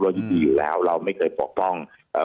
ดีอยู่แล้วเราไม่เคยปกป้องเอ่อ